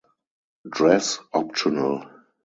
Dress optional.